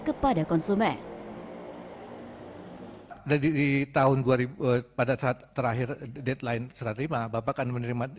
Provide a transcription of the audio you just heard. kepada konsumen dari tahun gua ribut pada saat terakhir deadline serta lima bapak akan menerima